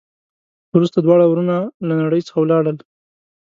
وروسته دواړه ورونه له نړۍ څخه ولاړل.